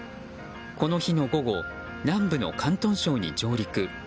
この日の午後南部の広東省に上陸。